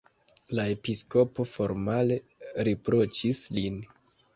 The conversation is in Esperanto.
La episkopo formale riproĉis lin.